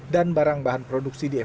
dan barang barang produksi dihentikan